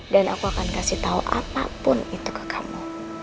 dan aku akan kasih tau apapun itu ke kamu